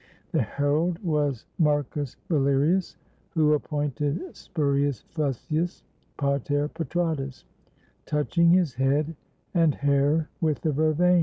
The herald was Marcus Valerius, who appointed Spurius Fusius pater patratus, touching his head and hair with the vervain.